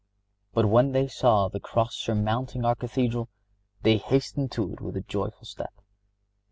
But when they saw the cross surmounting our Cathedral they hastened to it with a joyful step.